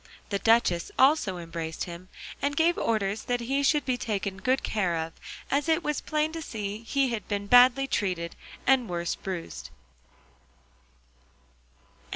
The duchess also embraced him, and gave orders that he should be taken good care of, as it was plain to see he had been badly treated and worse bruised.